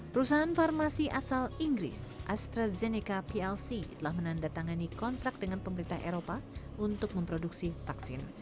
perusahaan farmasi asal inggris astrazeneca plc telah menandatangani kontrak dengan pemerintah eropa untuk memproduksi vaksin